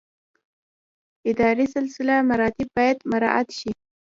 اداري سلسله مراتب باید مراعات شي